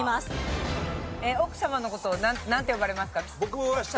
奥様の事をなんて呼ばれますか？